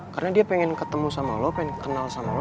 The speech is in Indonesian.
karena dia pengen ketemu sama lo pengen kenal sama lo